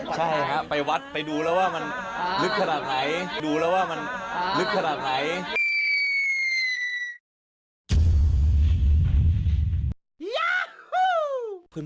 ใช่ครับไปวัดไปดูแล้วว่ามันลึกขนาดไหน